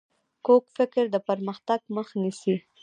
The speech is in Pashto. کوږ فکر د پرمختګ مخ نیسي